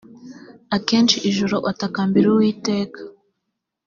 akesha ijoro atakambira uwiteka